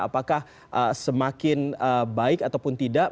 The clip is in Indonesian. apakah semakin baik ataupun tidak